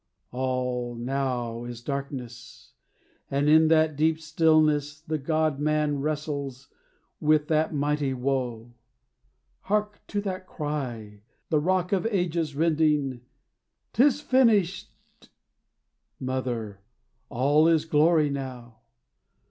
All now is darkness; and in that deep stillness The God man wrestles with that mighty woe; Hark to that cry, the rock of ages rending "'Tis finished!" Mother, all is glory now!